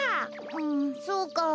んそうか。